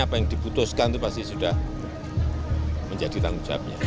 aku menggunakan kalau makanan pake russian nya